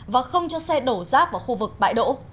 và không cho xe đổ rác vào khu vực bãi đỗ